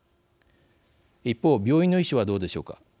一方、病院の医師はどうでしょうか。